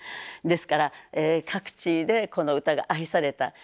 ですから各地でこの歌が愛された。